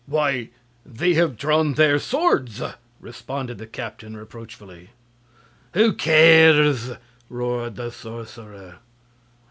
"Why, they have drawn their swords!" responded the captain, reproachfully. "Who cares?" roared the sorcerer.